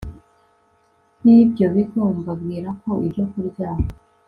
bibyo bigo mbabwira ko ibyokurya